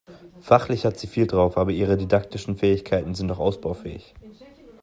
Fachlich hat sie viel drauf, aber ihre didaktischen Fähigkeiten sind noch ausbaufähig.